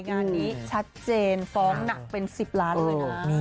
งานนี้ชัดเจนฟ้องหนักเป็น๑๐ล้านเลยนะ